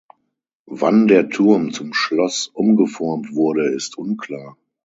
Wann der Turm zum Schloss umgeformt wurde ist unklar.